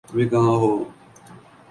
ابھی کہاں ہو؟